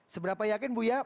seberapa yakin buya